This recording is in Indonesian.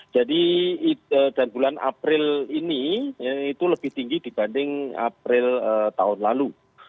jadi bulan april ini itu lebih tinggi dibanding april tahun lalu